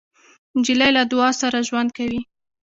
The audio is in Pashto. نجلۍ له دعا سره ژوند کوي.